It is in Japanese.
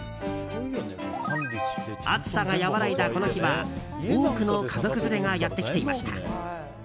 暑さが和らいだ、この日は多くの家族連れがやってきていました。